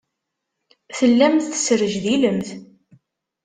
Tellamt tesrejdilemt.